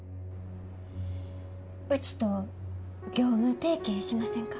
うちと業務提携しませんか？